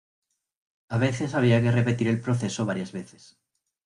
A veces había que repetir el proceso varias veces.